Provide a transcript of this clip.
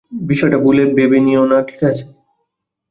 বিষয়টা ভুল ভাবে নিও না, ঠিক আছে?